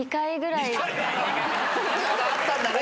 何かあったんだね！